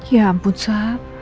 ya ampun sa